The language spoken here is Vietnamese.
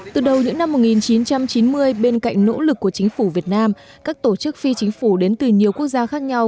từ đầu những năm một nghìn chín trăm chín mươi bên cạnh nỗ lực của chính phủ việt nam các tổ chức phi chính phủ đến từ nhiều quốc gia khác nhau